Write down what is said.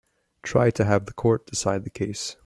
Try to have the court decide the case.